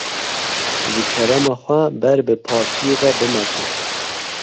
Ji kerema xwe ber bi paşiyê ve bimeşe.